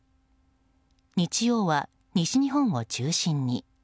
日曜は、西日本を中心に。